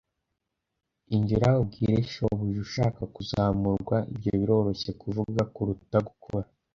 "Injira ubwire shobuja ushaka kuzamurwa." "Ibyo biroroshye kuvuga kuruta gukora."